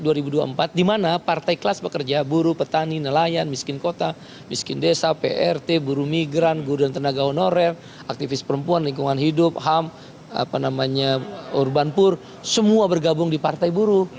dimana partai kelas pekerja buruh petani nelayan miskin kota miskin desa prt buru migran guru dan tenaga honorer aktivis perempuan lingkungan hidup ham urban pur semua bergabung di partai buruh